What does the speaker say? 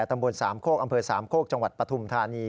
ตำบลสามโคกอำเภอสามโคกจังหวัดปฐุมธานี